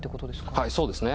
はいそうですね。